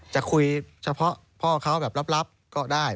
จะคุยเฉพาะพ่อเขาแบบลับก็ได้